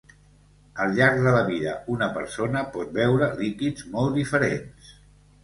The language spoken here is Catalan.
Al llarg de la vida una persona pot beure líquids molt diferents.